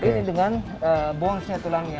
tapi ini dengan bones nya tulangnya